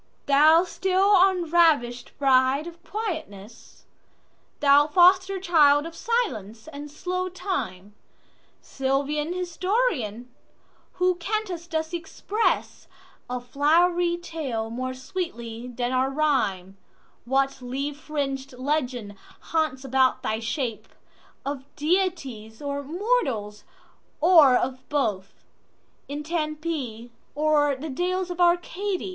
THOU still unravish'd bride of quietness, Thou foster child of silence and slow time, Sylvan historian, who canst thus expressA flowery tale more sweetly than our rhyme:What leaf fring'd legend haunts about thy shapeOf deities or mortals, or of both, In Tempe or the dales of Arcady?